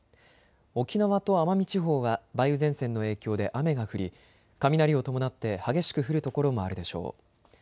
沖縄と奄美地方は梅雨前線の影響で雨が降り雷を伴って激しく降る所もあるでしょう。